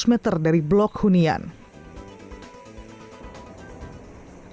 pembagian blok ini dikira sebagai pabrik yang berguna